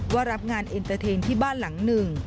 ว่ารับงานเอ็นเตอร์เทนที่บ้านหลังหนึ่ง